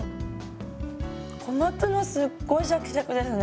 小松菜すっごいシャキシャキですね。